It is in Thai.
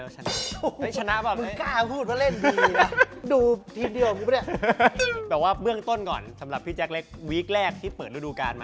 ผมรู้สึกว่าแตกต่างกับพี่มาบอกกัน